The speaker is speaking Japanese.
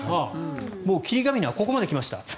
もう霧ヶ峰はここまで来ました。